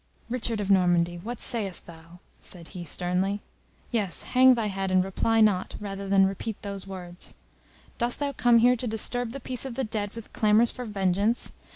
"Richard of Normandy, what sayest thou?" said he, sternly. "Yes, hang thy head, and reply not, rather than repeat those words. Dost thou come here to disturb the peace of the dead with clamours for vengeance?